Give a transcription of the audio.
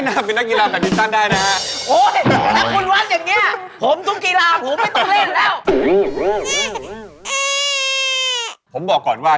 สามารถรับชมได้ทุกวัย